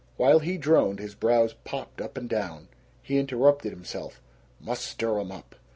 While he droned, his brows popped up and down. He interrupted himself, "Must stir 'em up."